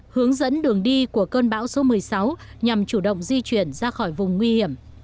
hướng dẫn đường đi của cơn bão số một mươi sáu nhằm chủ động di chuyển ra khỏi vùng nguy hiểm